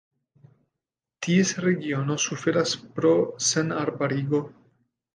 Ties regiono suferas pro senarbarigo.